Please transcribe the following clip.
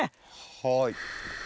はい。